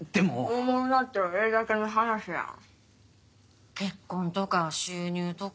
おもろなったらええだけの話やん。